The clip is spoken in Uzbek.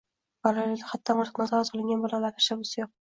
Bolalaligida haddan ortiq nazorat qilingan bolalar tashabbusi yo‘q